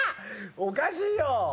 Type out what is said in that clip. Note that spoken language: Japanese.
おかしいよ。